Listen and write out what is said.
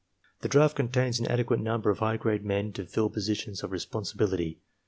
The draft contains an adequate number of high grade men to fill positions of responsibility.